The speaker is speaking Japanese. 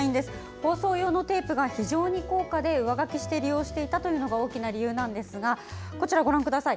放送用のテープが非常に高価で上書きして利用していたのが大きな理由なんですがこちらをご覧ください。